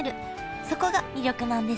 そこが魅力なんですね